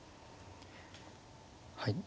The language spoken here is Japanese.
はい。